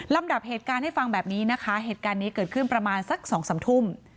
ดับเหตุการณ์ให้ฟังแบบนี้นะคะเหตุการณ์นี้เกิดขึ้นประมาณสักสองสามทุ่ม